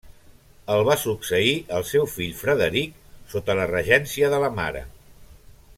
El va succeir el seu fill Frederic, sota la regència de la mare.